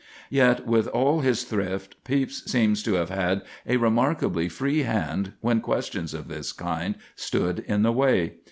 Yet, with all his thrift, Pepys seems to have had a remarkably free hand when questions of this kind stood in the way.